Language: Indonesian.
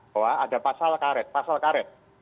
bahwa ada pasal karet